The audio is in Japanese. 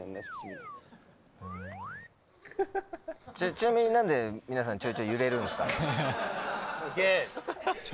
ちなみに何で皆さんちょいちょい揺れるんですか？